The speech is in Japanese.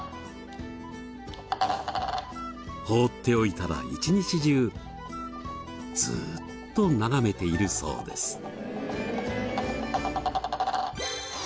放っておいたら１日中ずーっと眺めているそうです。